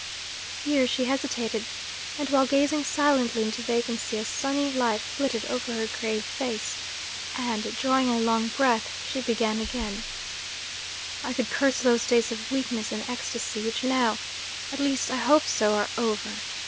Here she hesitated, and while gazing silently into vacancy a sunny light flitted over her grave face, and, drawing a long breath, she began again: "I could curse those days of weakness and ecstasy which now at least I hope so are over.